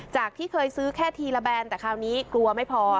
ที่เคยซื้อแค่ทีละแบนแต่คราวนี้กลัวไม่พอ